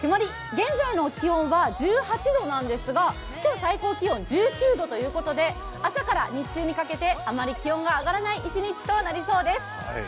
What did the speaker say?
現在の気温は１８度なんですが今日最高気温、１９度ということで朝から日中にかけてあまり気温が上がらない一日となりそうです。